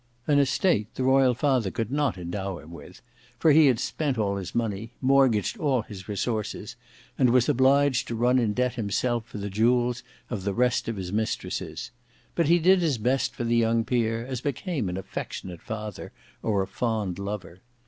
An estate the royal father could not endow him with, for he had spent all his money, mortgaged all his resources, and was obliged to run in debt himself for the jewels of the rest of his mistresses; but he did his best for the young peer, as became an affectionate father or a fond lover.